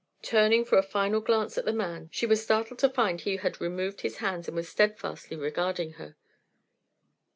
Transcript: Turning for a final glance at the man she was startled to find he had removed his hands and was steadfastly regarding her.